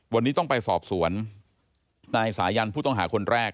วันนี้ต้องไปสอบสวนนายสายันผู้ต้องหาคนแรก